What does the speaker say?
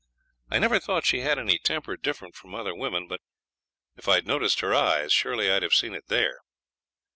I never thought she had any temper different from other women; but if I'd noticed her eyes, surely I'd have seen it there.